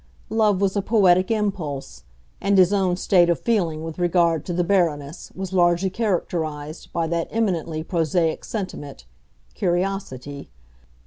Love was a poetic impulse, and his own state of feeling with regard to the Baroness was largely characterized by that eminently prosaic sentiment—curiosity.